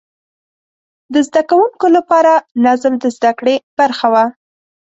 د زده کوونکو لپاره نظم د زده کړې برخه وه.